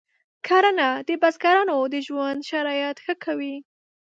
کرنه د بزګرانو د ژوند شرایط ښه کوي.